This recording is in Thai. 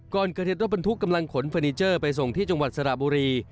ก่อนเกิดเหตุรถบรรทุกกำลังขนเฟอร์นิเจอร์ไปส่งที่จังหวัดสระบุรี